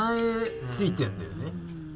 付いてるんだよね。